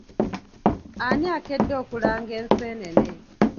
Ani akedde okulanga enseenene?